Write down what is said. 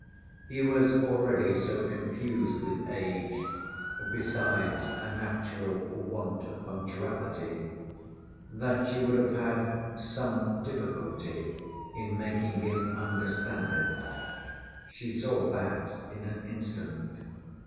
He was already so confused with age, besides a natural want of punctuality, that she would have had some difficulty in making him understand it. She saw that in an instant.